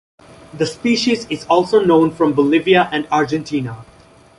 The species is also known from Bolivia and Argentina.